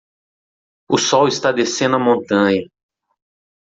O sol está descendo a montanha.